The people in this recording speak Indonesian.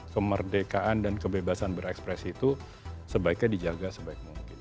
kemerdekaan dan kebebasan berekspresi itu sebaiknya dijaga sebaik mungkin